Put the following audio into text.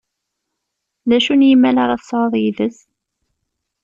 D acu n yimmal ara tesɛuḍ yid-s?